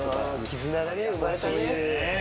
絆が生まれたね。